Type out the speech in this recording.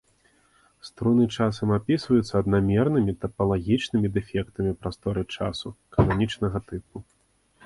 Струны часам апісваюцца аднамернымі тапалагічнымі дэфектамі прасторы-часу канічнага тыпу.